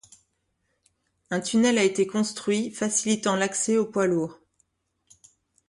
Un tunnel a été construit facilitant l’accès aux poids lourds.